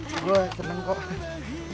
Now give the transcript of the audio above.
gue kena petum punggung kalo ambil halan itu